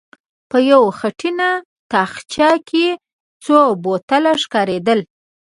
په يوه خټينه تاخچه کې څو بوتله ښکارېدل.